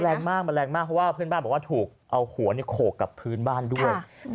แรงมากมันแรงมากเพราะว่าเพื่อนบ้านบอกว่าถูกเอาหัวโขกกับพื้นบ้านด้วย